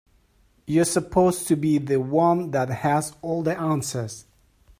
You're supposed to be the one that has all the answers.